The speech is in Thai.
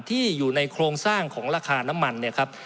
ที่อยู่ในโครงสร้างของราคาน้ำมันเนี่ยครับ